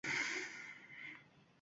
El mol-mulkin tuya qilgan asti shular